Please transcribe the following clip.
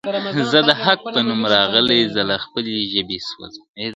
زه د حق په نوم راغلی زه له خپلي ژبي سوځم `